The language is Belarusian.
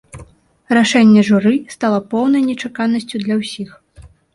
Рашэнне журы стала поўнай нечаканасцю для ўсіх.